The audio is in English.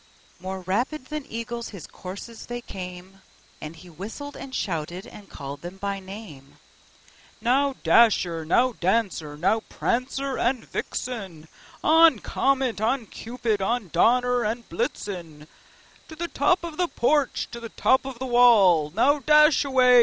More rapid than eagles his coursers they came, And he whistled, and shouted, and called them by name: "Now, Dasher! now, Dancer! now, Prancer and Vixen! On, Comet! on, Cupid! on, Donder and Blitzen! To the top of the porch! to the top of the wall! Now dash away!